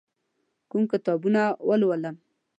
کوم کتابونه ولولم؟